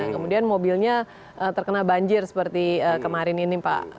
kemudian mobilnya terkena banjir seperti kemarin ini pak